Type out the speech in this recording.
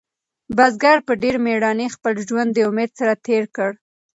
بزګر په ډېرې مېړانې خپل ژوند د امید سره تېر کړ.